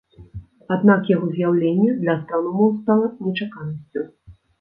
Аднак яго з'яўленне для астраномаў стала нечаканасцю.